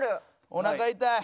おなか痛い。